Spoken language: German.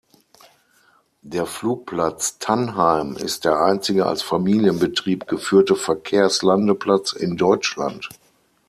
Der Flugplatz Tannheim ist der einzige als Familienbetrieb geführte Verkehrslandeplatz in Deutschland.